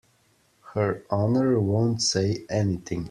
Her Honor won't say anything.